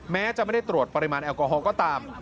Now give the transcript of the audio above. แม้จะไม่ได้ตรวจปริมาณแอลกอฮอลก็ตาม